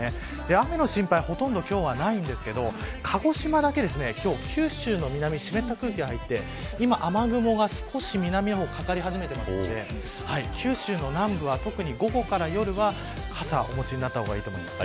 雨の心配はほとんど今日はないんですけど、鹿児島だけ九州の南、湿った空気が入って雨雲が南の方にかかり始めているので九州の南部は、特に午後から夜は傘をお持ちになった方がいいと思います。